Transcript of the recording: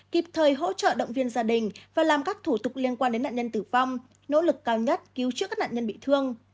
kịp thời hỗ trợ động viên gia đình và làm các thủ tục liên quan đến nạn nhân tử vong nỗ lực cao nhất cứu trước các nạn nhân bị thương